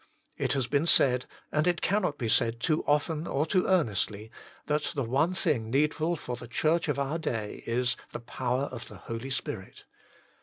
It has been said, and it cannot be said too often or too earnestly, that the one thing needful for the Church of our day is, the power of the Holy Spirit.